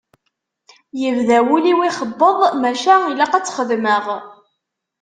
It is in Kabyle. Yebda wul-iw ixebbeḍ maca ilaq ad tt-xedmeɣ.